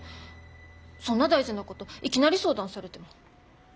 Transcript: そんな大事なこといきなり相談されても。